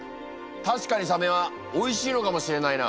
確かにサメはおいしいのかもしれないな。